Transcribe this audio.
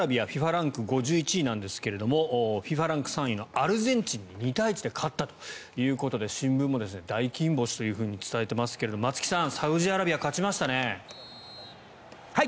ランク５１位なんですがＦＩＦＡランクが上のアルゼンチンに２対１で勝ったということで新聞も大金星と伝えていますけれど松木さん、サウジアラビア勝ちましたね。